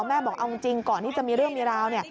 แม่บอกเอาจริงก่อนที่จะมีเรื่องมีราวเนี่ย